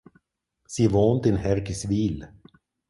Sie wohnt in Hergiswil.